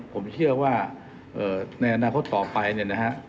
ผมเชื่อว่าในอนาคตต่อไปเนี่ยนะฮะ